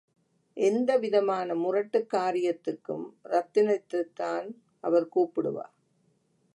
எந்தவிதமான முரட்டுக் காரியத்துக்கும் ரத்தினத்தைத்தான் அவர் கூப்பிடுவார்.